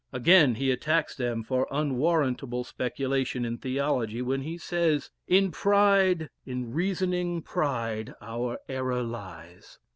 Again he attacks them for unwarrantable speculation in theology, when he says "In pride, in reasoning pride our error lies."